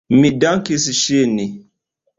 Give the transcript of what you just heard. Mi dankis ŝin.